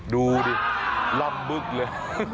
ดูดิล่ำบึกเลย